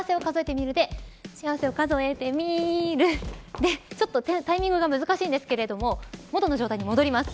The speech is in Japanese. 幸せを数えてみる、でちょっとタイミングが難しいんですけども元の状態に戻ります。